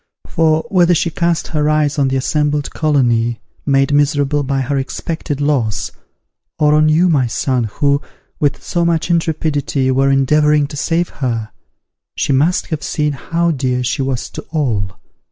For, whether she cast her eyes on the assembled colony, made miserable by her expected loss, or on you, my son, who, with so much intrepidity, were endeavouring to save her, she must have seen how dear she was to all.